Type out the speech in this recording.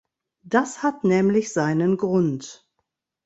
Das hat nämlich seinen Grund.